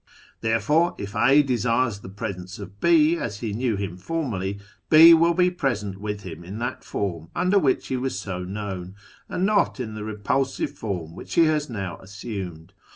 Therefore if A desires the presence of B as he knew him formerly, B will be present with him in that form under which he was so known, and not in the repulsive form which he has now assumed.